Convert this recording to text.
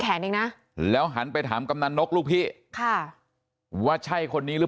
เองนะแล้วหันไปถามกำนันนกลูกพี่ค่ะว่าใช่คนนี้หรือ